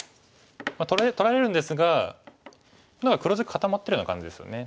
取られるんですが黒地固まってるような感じですよね。